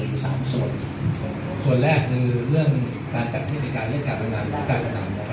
ก็ขออนุญาตนะครับในเรื่องเหตุที่เกิดขึ้นนะครับ